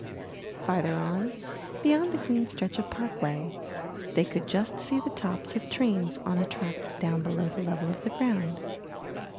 Farther on, beyond the green stretch of parkway, they could just see the tops of trains on a track down below the level of the ground.